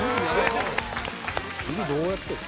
指どうやってるの？